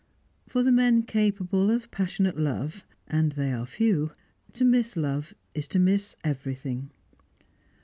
For the men capable of passionate love (and they are few) to miss love is to miss everything.